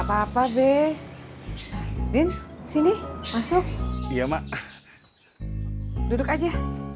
apa apa be din sini masuk ya mak duduk aja